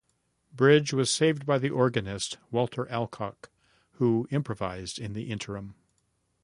Bridge was saved by the organist, Walter Alcock, who improvised in the interim.